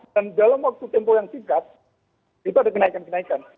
dan dalam waktu tempoh yang singkat itu ada kenaikan kenaikan